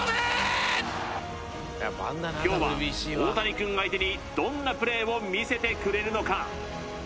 今日はオオタニくん相手にどんなプレーを見せてくれるのか？